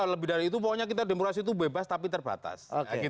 lebih dari itu pokoknya kita demokrasi itu bebas tapi terbatas